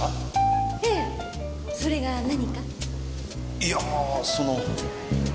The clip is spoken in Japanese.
いやぁその。